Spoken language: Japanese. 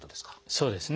そうですね。